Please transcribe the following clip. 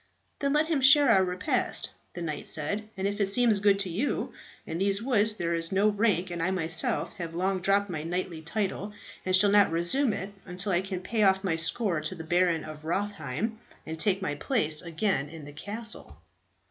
"Then let him share our repast," the knight said, "if it seems good to you. In these woods there is no rank, and I myself have long dropped my knightly title, and shall not reassume it until I can pay off my score to the Baron of Rotherheim, and take my place again in my castle."